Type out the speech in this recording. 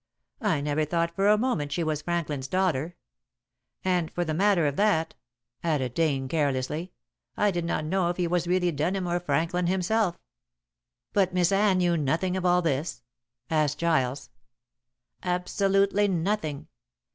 I never thought for a moment she was Franklin's daughter. And for the matter of that," added Dane carelessly, "I did not know if he was really Denham or Franklin himself." "But Miss Anne knew nothing of all this?" asked Giles. "Absolutely nothing.